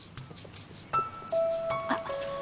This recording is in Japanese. あっ。